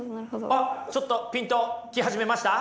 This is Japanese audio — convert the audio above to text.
あっちょっとピンと来始めました？